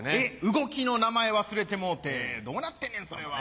動きの名前忘れてもうてどうなってんねんそれは。